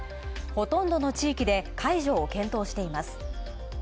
ほとんどの地域で解除を検討しています。